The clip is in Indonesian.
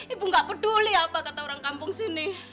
ibu gak peduli apa kata orang kampung sini